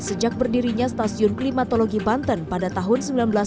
sejak berdirinya stasiun klimatologi banten pada tahun seribu sembilan ratus sembilan puluh